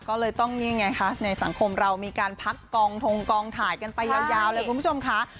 ก็เลยต้องนี่ไงคะในสังคมเรามีการพักกองทงกองถ่ายกันไปยาวเลยคุณผู้ชมค่ะ